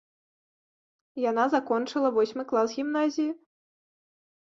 Яна закончыла восьмы клас гімназіі.